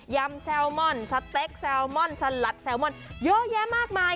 ำแซลมอนสเต็กแซลมอนสลัดแซลมอนเยอะแยะมากมาย